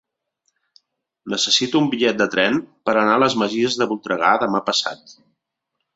Necessito un bitllet de tren per anar a les Masies de Voltregà demà passat.